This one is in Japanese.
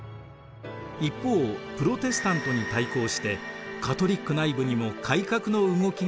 一方プロテスタントに対抗してカトリック内部にも改革の動きが生まれます。